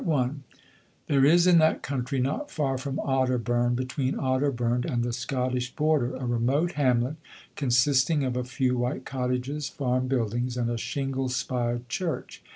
I There is in that country, not far from Otterburn between Otterburn and the Scottish border a remote hamlet consisting of a few white cottages, farm buildings and a shingle spired church.